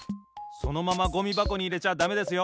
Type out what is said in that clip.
そのままゴミばこにいれちゃだめですよ！